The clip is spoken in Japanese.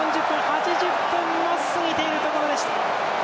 ８０分を過ぎているところです。